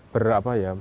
ber apa ya